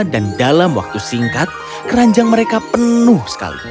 dalam waktu singkat keranjang mereka penuh sekali